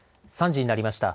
３時になりました。